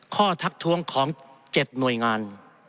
ข้อทักทวงของเจ็ดหน่วยงาน